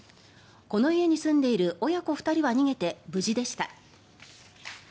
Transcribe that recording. この家に住んでいる親子２人は逃げて無事でした。